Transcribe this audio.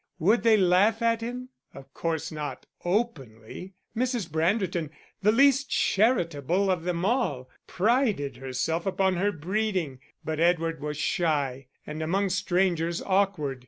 Would they laugh at him? Of course not openly; Mrs. Branderton, the least charitable of them all, prided herself upon her breeding; but Edward was shy, and among strangers awkward.